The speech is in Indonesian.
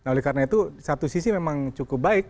oleh karena itu satu sisi memang cukup baik